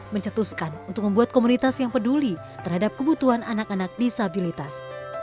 mencetuskan untuk membuat komunitas yang peduli terhadap kebutuhan anak anak disabilitas